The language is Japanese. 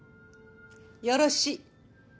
よろしい。